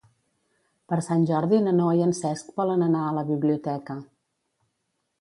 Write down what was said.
Per Sant Jordi na Noa i en Cesc volen anar a la biblioteca.